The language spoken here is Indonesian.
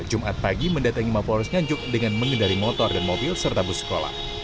jumat pagi mendatangi mapolres nganjuk dengan mengendari motor dan mobil serta bus sekolah